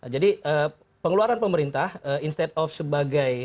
jadi pengeluaran pemerintah instead of sebagainya